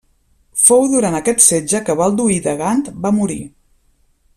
Fou durant aquest setge que Balduí de Gant va morir.